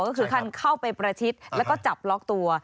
ก็คือคันเข้าไปประชิดแล้วก็จับล็อกตัว